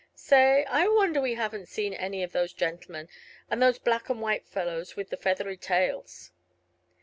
Say, I wonder we haven't seen any of those gentlemen, and those black and white fellows with the feathery tails."